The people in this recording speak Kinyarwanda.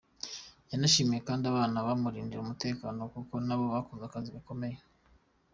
Yanashimiye kandi abana bamurindira umutekano kuko nabo bakoze akazi gakomeye.